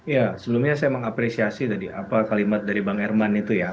ya sebelumnya saya mengapresiasi tadi apa kalimat dari bang herman itu ya